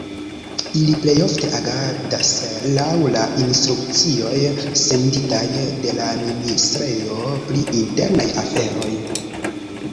Ili plejofte agadas laŭ la instrukcioj senditaj de la ministrejo pri internaj aferoj.